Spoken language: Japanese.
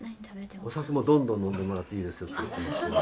お酒もどんどん飲んでもらっていいです。